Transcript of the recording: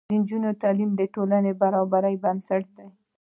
د نجونو تعلیم د ټولنې برابرۍ بنسټ دی.